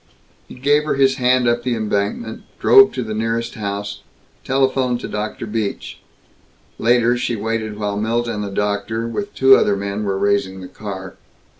He gave her his hand up the embankment, drove to the nearest house, telephoned to Dr. Beach. Later she waited while Milt and the doctor, with two other men, were raising the car.